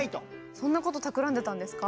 そんなことたくらんでたんですか？